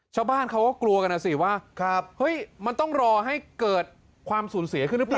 ชาวบ้านเขาก็กลัวกันนะสิว่าเฮ้ยมันต้องรอให้เกิดความสูญเสียขึ้นหรือเปล่า